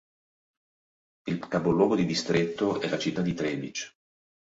Il capoluogo di distretto è la città di Třebíč.